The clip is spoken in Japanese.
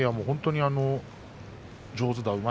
本当に上手だ。